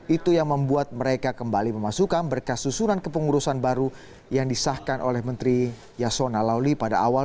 itu yang membuat mereka kembali memasukkan berkasusuran kepengurusan baru yang disahkan oleh menteri yasona lauli pada awal dua ribu enam belas